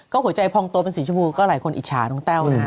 หัวใจพองตัวเป็นสีชมพูก็หลายคนอิจฉาน้องแต้วนะฮะ